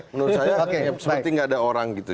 menurut saya seperti nggak ada orang gitu